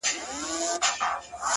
ډيره ژړا لـــږ خـــنــــــــــدا!